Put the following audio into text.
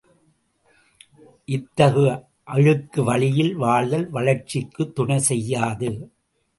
இத்தகு அழுக்கு வழியில் வாழ்தல் வளர்ச்சிக்குத் துணை செய்யாது.